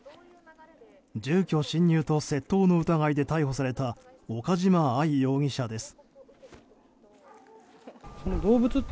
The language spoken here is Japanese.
住居侵入と窃盗の疑いで逮捕された岡島愛容疑者です。